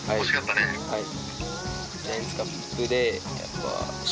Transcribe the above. はい。